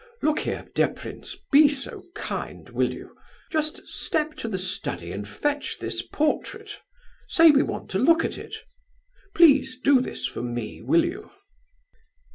Look here, dear prince, be so kind, will you? Just step to the study and fetch this portrait! Say we want to look at it. Please do this for me, will you?"